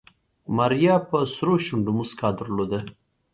ماريا په سرو شونډو موسکا درلوده.